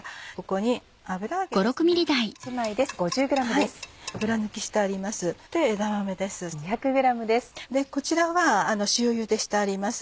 こちらは塩ゆでしてあります。